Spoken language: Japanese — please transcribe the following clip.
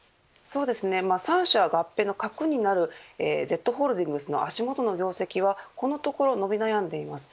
３社合併の核になるＺホールディングスの足元の業績はこのところ伸び悩んでいます。